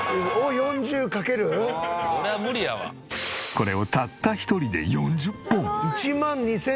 これをたった一人で４０本。